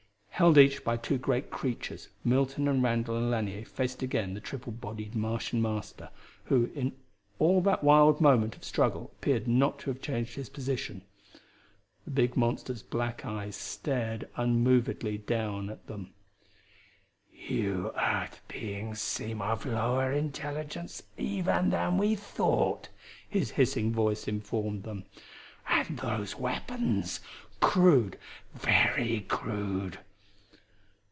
Held each by two great creatures, Milton and Randall and Lanier faced again the triple bodied Martian Master, who in all that wild moment of struggle appeared not to have changed his position. The big monster's black eyes stared unmovedly down at them. "You Earth beings seem of lower intelligence even than we thought," his hissing voice informed them. "And those weapons crude, very crude."